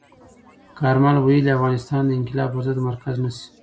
کارمل ویلي، افغانستان د انقلاب پر ضد مرکز نه شي.